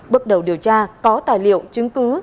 bước đầu điều tra có tài liệu chứng cứ